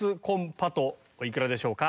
お幾らでしょうか？